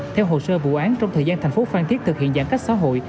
theo hồ sơ vụ án trong thời gian thành phố phan thiết thực hiện giãn cách xã hội